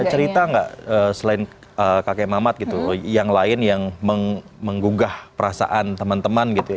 ada cerita nggak selain kakek mamat gitu yang lain yang menggugah perasaan teman teman gitu ya